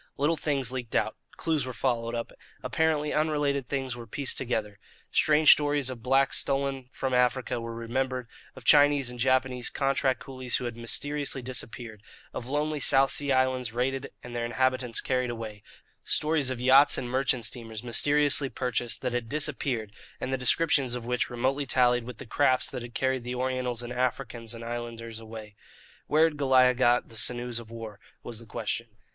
Little things leaked out, clues were followed up, apparently unrelated things were pieced together. Strange stories of blacks stolen from Africa were remembered, of Chinese and Japanese contract coolies who had mysteriously disappeared, of lonely South Sea Islands raided and their inhabitants carried away; stories of yachts and merchant steamers, mysteriously purchased, that had disappeared and the descriptions of which remotely tallied with the crafts that had carried the Orientals and Africans and islanders away. Where had Goliah got the sinews of war? was the question.